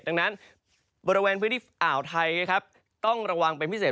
ดังนั้นบริเวณพื้นที่อ่าวไทยนะครับต้องระวังเป็นพิเศษ